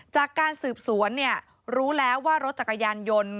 จากการสืบสวนรู้แล้วว่ารถจักรยานยนต์